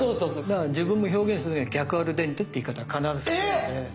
だから自分も表現するには逆アルデンテって言い方必ずするんで。